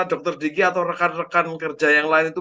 dokter digi atau rekan rekan kerjaan itu